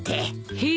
へえ。